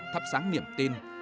thắp sáng niềm tin